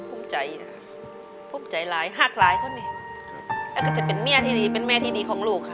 ปลื้มใจค่ะปลื้มใจร้ายหากร้ายเขาเนี่ยแล้วก็จะเป็นเมียที่ดีเป็นแม่ที่ดีของลูกค่ะ